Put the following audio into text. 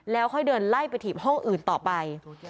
แล้วค่อยเดินไล่ไปถีบห้องอื่นต่อไป